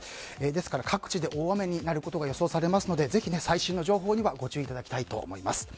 ですから、各地で大雨になることが予想されますのでぜひ最新の情報にはご注意いただきたいと思います。